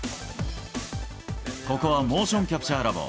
ここはモーションキャプチャー・ラボ。